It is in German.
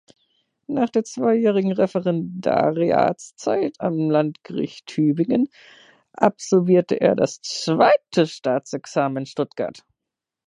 Nach der zweijährigen Referendariatszeit am Landgericht Tübingen absolvierte er das Zweite Staatsexamen in Stuttgart.